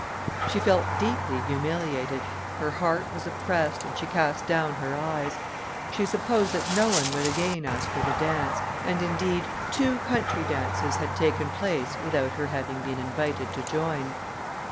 She felt deeply humiliated; her heart was oppressed, and she cast down her eyes: she supposed that no one would again ask her to dance, and indeed, two country dances had taken place without her having been invited to join.